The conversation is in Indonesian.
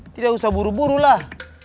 tidak usah buru buru lah